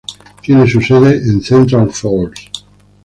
Tiene su sede en Central Falls.